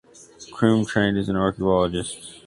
Croome trained as an archaeologist.